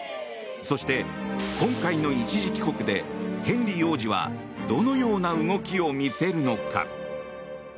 そして、今回の一時帰国でヘンリー王子はどのような動きを見せるのか。